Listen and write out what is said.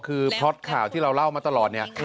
คือพล็อตข่าวที่เราเล่ามาตลอดเนี่ย